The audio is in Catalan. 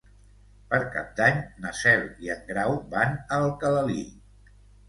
Per Cap d'Any na Cel i en Grau van a Alcalalí.